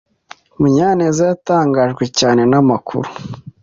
Munyanez yatangajwe cyane namakuru.